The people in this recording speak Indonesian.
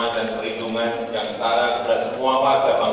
tidak tergeledih hebat bumi